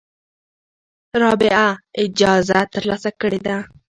رابعه اجازه ترلاسه کړې ده.